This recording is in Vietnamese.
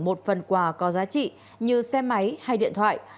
một phần quà có giá trị như xe máy hay điện thoại